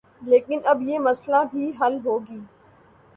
لیکن اب یہ مسئلہ بھی حل ہوگی